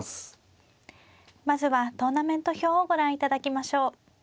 まずはトーナメント表をご覧いただきましょう。